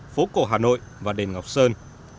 phố cổ hà nội và đền ngọc sơn